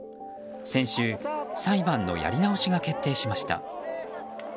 先週、裁判のやり直しが決定しました。